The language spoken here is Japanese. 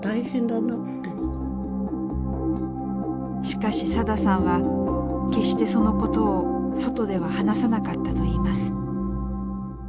しかしさださんは決してそのことを外では話さなかったといいます。